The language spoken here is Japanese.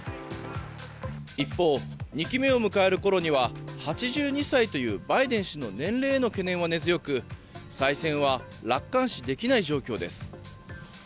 一方、２期目を迎えるころには８２歳というバイデン氏の年齢への懸念は根強く再選は楽観視できない状況です。